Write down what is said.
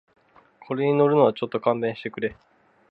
これに乗るのはちょっと勘弁してくれ